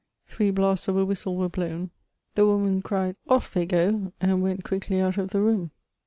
Three blasts of a whistle were blown ; the: woman cried: "Off they go!" went quickly out of the room.